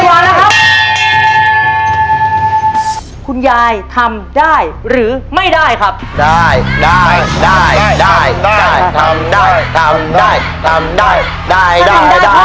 โตเข้ามาบอกว่ายายซื้อให้ผมหน่อยดิเดี๋ยวผมสัญญา